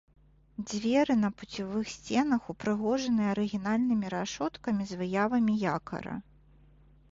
Дзверы на пуцявых сценах ўпрыгожаны арыгінальнымі рашоткамі з выявамі якара.